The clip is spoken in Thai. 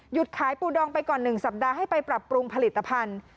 ขายปูดองไปก่อน๑สัปดาห์ให้ไปปรับปรุงผลิตภัณฑ์